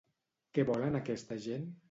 Què volen aquesta gent?